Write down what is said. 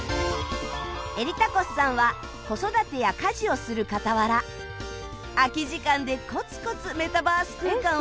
エリタコスさんは子育てや家事をする傍ら空き時間でコツコツメタバース空間を作成